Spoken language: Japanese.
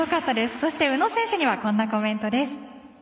そして宇野選手にはこんなコメントです。